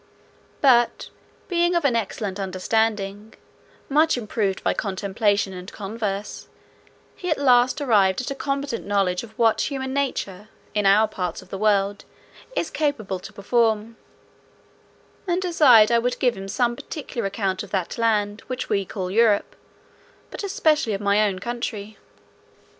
But being of an excellent understanding, much improved by contemplation and converse, he at last arrived at a competent knowledge of what human nature, in our parts of the world, is capable to perform, and desired I would give him some particular account of that land which we call Europe, but especially of my own country.